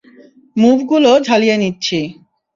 মুভগুলো ঝালিয়ে নিচ্ছি।